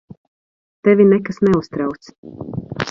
Tevi nekas neuztrauc.